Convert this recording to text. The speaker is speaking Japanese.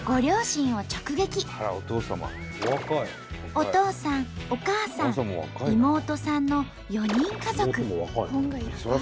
お父さんお母さん妹さんの４人家族。